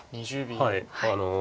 はい。